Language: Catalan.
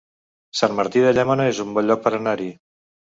Sant Martí de Llémena es un bon lloc per anar-hi